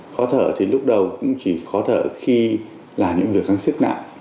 khó thở thì lúc đầu cũng chỉ khó thở khi là những người kháng sức nặng